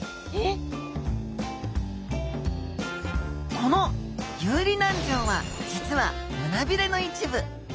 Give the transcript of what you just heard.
この遊離軟条は実は胸びれの一部。